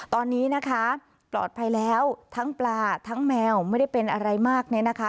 ตอนนี้นะคะปลอดภัยแล้วทั้งปลาทั้งแมวไม่ได้เป็นอะไรมากเนี่ยนะคะ